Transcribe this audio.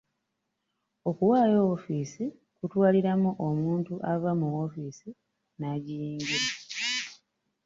Okuwaayo woofiisi kutwaliramu omuntu ava mu woofiisi n'agiyingira.